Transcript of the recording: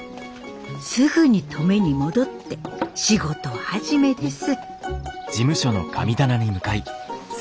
すぐに登米に戻って仕事始めです。